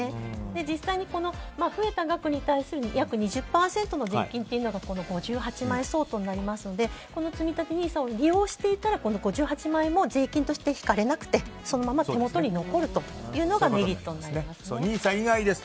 実際に増えた額に対する約２０％が税金というのが５８万円相当になりますのでつみたてＮＩＳＡを利用していたら５８万円も税金として引かれなくてそのまま手元に残るというのがメリットになりますね。